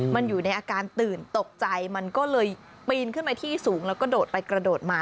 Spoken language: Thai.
มันอยู่ในอาการตื่นตกใจมันก็เลยปีนขึ้นไปที่สูงแล้วก็โดดไปกระโดดมา